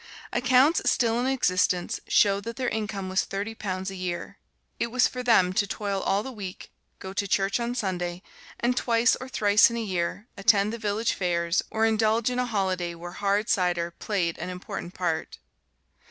Accounts still in existence show that their income was thirty pounds a year. It was for them to toil all the week, go to church on Sunday, and twice or thrice in a year attend the village fairs or indulge in a holiday where hard cider played an important part.